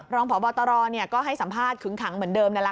รองพบเอกก็ให้สัมภาษณ์คื้นขังเหมือนเดิมนั่นละค่ะ